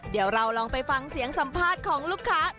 เดี๋ยวเราลองไปฟังเสียงสัมภาษณ์ของลูกค้า